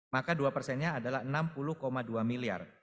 maka dua persennya adalah enam puluh dua miliar